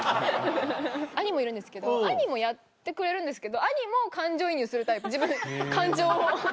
兄もいるんですけど兄もやってくれるんですけど兄も感情移入するタイプ自分感情を。